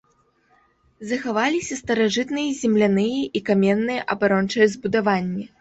Захаваліся старажытныя земляныя і каменныя абарончыя збудаванні.